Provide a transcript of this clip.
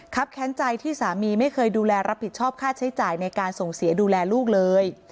แค้นใจที่สามีไม่เคยดูแลรับผิดชอบค่าใช้จ่ายในการส่งเสียดูแลลูกเลย